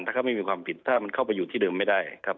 ถ้าเขาไม่มีความผิดถ้ามันเข้าไปอยู่ที่เดิมไม่ได้ครับ